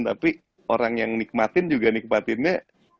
tapi orang yang nikmatin juga nikmatinnya